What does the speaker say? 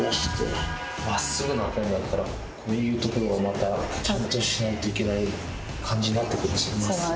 まっすぐな剣だったらこういうところはまたちゃんとしないといけない感じになってくるんですね